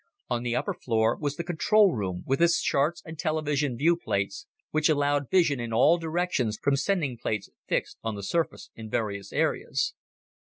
On the upper floor was the control room, with its charts and television viewplates which allowed vision in all directions from sending plates fixed on the surface in various areas.